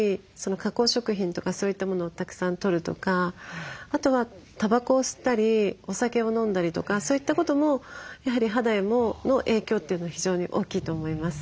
加工食品とかそういったものをたくさんとるとかあとはタバコを吸ったりお酒を飲んだりとかそういったこともやはり肌への影響というのは非常に大きいと思います。